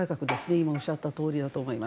今、おっしゃったとおりだと思います。